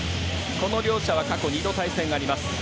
この両者は過去２回対戦があります。